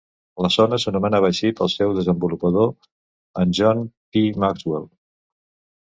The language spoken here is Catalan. La zona s'anomena així pel seu desenvolupador, en John P. Maxwell.